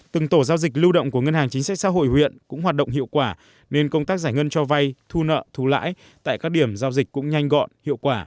từng tổ giao dịch lưu động của ngân hàng chính sách xã hội huyện cũng hoạt động hiệu quả nên công tác giải ngân cho vay thu nợ thu lãi tại các điểm giao dịch cũng nhanh gọn hiệu quả